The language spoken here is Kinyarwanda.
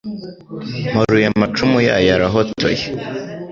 Mparuye amacumu yayo arahotoye,